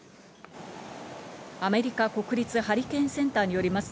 アメリカ国立ハリケーンセンターによります